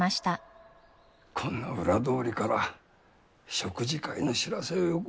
こんな裏通りから食事会の知らせをよこすなんざ。